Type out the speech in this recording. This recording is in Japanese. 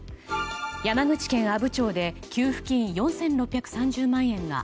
山口県阿武町で給付金４６３０万円が